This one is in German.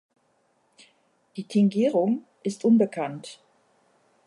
Die Tingierung ist unbekannt.